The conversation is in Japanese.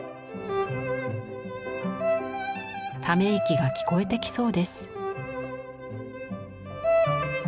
ため息が聞こえてきそうです。